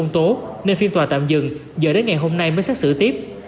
nên phiên tòa tạm dừng giờ đến ngày hôm nay mới xét xử tiếp